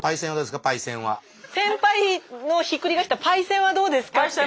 「センパイ」のひっくり返した「パイセン」はどうですかって？